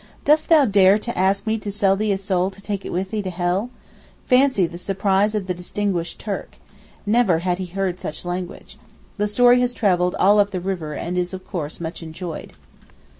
dost thou dare to ask me to sell thee a soul to take it with thee to hell?' Fancy the surprise of the 'distinguished' Turk. Never had he heard such language. The story has travelled all up the river and is of course much enjoyed.